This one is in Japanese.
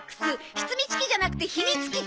「ひつみちき」じゃなくて「秘密基地」！